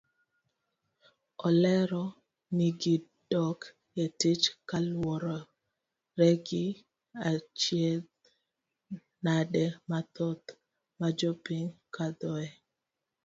Olero ni gidok etich kaluwore gi achiedh nade mathoth majopiny kadhoe.